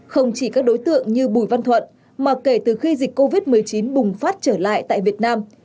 không chỉ các đối tượng như bùi văn thuận mà kể từ khi dịch covid một mươi chín bùng phát trở lại tại việt nam